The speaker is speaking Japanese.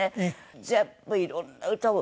全部いろんな歌を。